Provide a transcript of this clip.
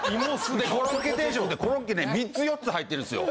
コロッケ定食ってコロッケ３つ４つ入ってるんですよ。